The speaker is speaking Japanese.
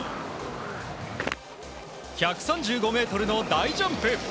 １３５ｍの大ジャンプ！